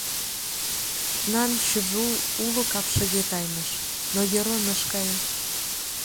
Нан Чжу уло капшыге тайныш, но йӧрлын ыш кае.